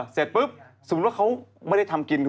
เสร็จปุ๊บสมมุติว่าเขาไม่ได้ทำกิน